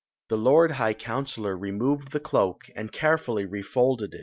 The lord high counsdor renoved the cloak and <^«fully refolded k.